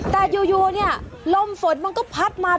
แต่อยู่เนี่ยลมฝนมันก็พัดมา